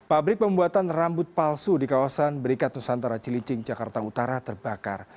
pabrik pembuatan rambut palsu di kawasan berikat nusantara cilincing jakarta utara terbakar